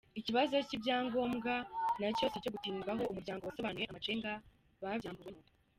Ikibazo cy’ibyangombwa na cyo si icyo gutindwaho : umuryango wasobanuye amacenga babyambuwemo.